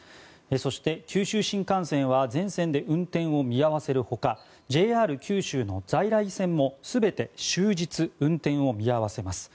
そして九州新幹線は全線で運転を見合わせるほかＪＲ九州の在来線も全て終日運転を見合わせます。